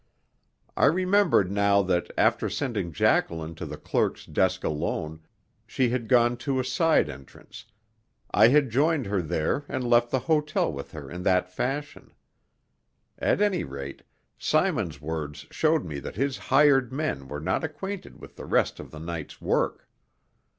I remembered now that, after sending Jacqueline to the clerk's desk alone, she had gone to a side entrance and I had joined her there and left the hotel with her in that fashion. At any rate, Simon's words showed me that his hired men were not acquainted with the rest of the night's work.